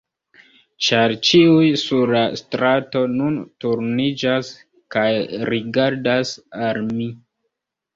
ĉar ĉiuj sur la strato nun turniĝas kaj rigardas al mi.